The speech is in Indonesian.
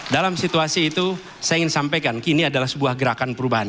dalam situasi itu saya ingin sampaikan kini adalah sebuah gerakan perubahan